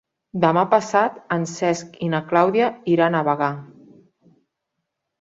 Demà passat en Cesc i na Clàudia iran a Bagà.